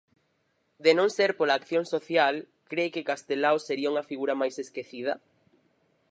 De non ser pola acción social, cre que Castelao sería unha figura máis esquecida?